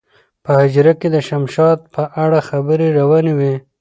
په حجره کې د شمشاد په اړه خبرې روانې وې.